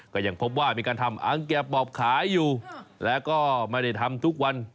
ก็ยังพบว่ามีการทำอังแก่ปอบขายอยู่แล้วก็ไม่ได้ทำทุกวัน